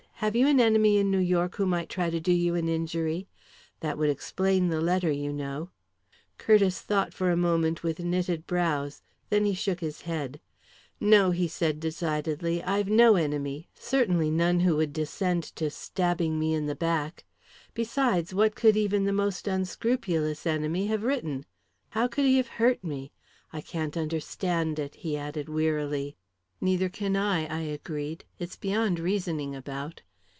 "Have you an enemy in New York who might try to do you an injury? That would explain the letter, you know." Curtiss thought for a moment with knitted brows. Then he shook his head. "No," he said decidedly, "I have no enemy certainly none who'd descend to stabbing me in the back. Besides, what could even the most unscrupulous enemy have written? How could he have hurt me? I can't understand it," he added wearily. "Neither can I," I agreed. "It's beyond reasoning about."